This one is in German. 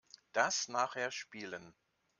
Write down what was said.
Das nachher spielen.